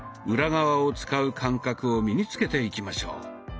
裏側を使う感覚を身に付けていきましょう。